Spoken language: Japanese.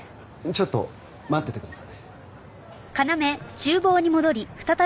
ちょっと待っててください。